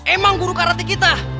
emang guru karate kita